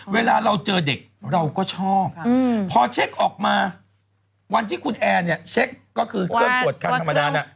เวลาเราเจอเด็กเราก็ชอบพอเช็คออกมาวันที่คุณแอร์เนี่ยเช็คก็คือเครื่องตรวจคันธรรมดาน่ะ